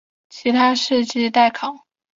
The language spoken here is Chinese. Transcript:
其他事迹待考。